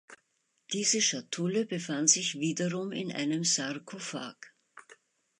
Diese Schatulle befand sich wiederum in einem Sarkophag.